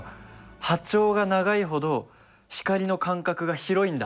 波長が長いほど光の間隔が広いんだ。